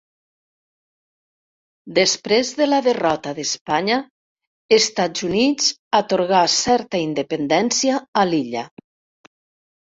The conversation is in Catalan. Després de la derrota d'Espanya, Estats Units atorga certa independència a l'illa.